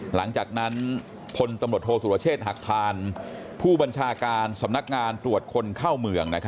หลังจากนั้นพลตำรวจโทษสุรเชษฐ์หักพานผู้บัญชาการสำนักงานตรวจคนเข้าเมือง